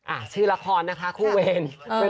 อ่ะชื่อละครนะคะคู่เวร